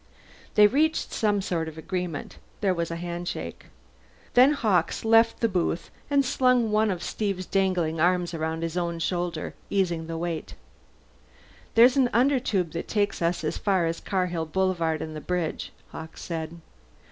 They reached some sort of agreement; there was a handshake. Then Hawkes left the booth and slung one of Steve's dangling arms around his own shoulder, easing the weight. "There's an Undertube that takes us as far as Carhill Boulevard and the bridge," Hawkes said.